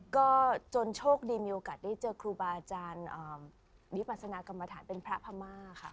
ก็จนโชคดีมีโอกาสได้เจอครูบาอาจารย์วิปัสนากรรมฐานเป็นพระพม่าค่ะ